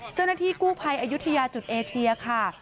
เจ้าหน้าที่กู้ภัยอายุทยาจุดเอเชียค่ะ